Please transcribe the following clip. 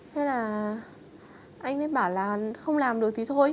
thế là anh ấy bảo là không làm được tí thôi